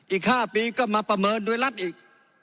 อีก๕ปีก็มาประเมินโดยรัฐอีก